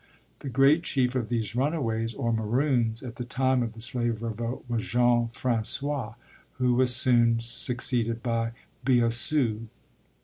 The great chief of these runaways or "Maroons" at the time of the slave revolt was Jean François, who was soon succeeded by Biassou.